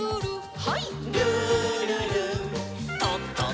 はい。